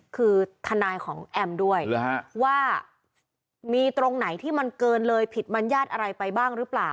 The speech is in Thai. คือทนายของแอมด้วยว่ามีตรงไหนที่มันเกินเลยผิดมัญญาติอะไรไปบ้างหรือเปล่า